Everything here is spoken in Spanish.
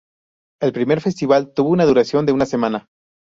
El primer festival tuvo una duración de una semana.